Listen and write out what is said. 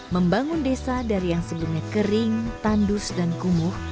membangun desa dari yang sebelumnya kering tandus dan kumuh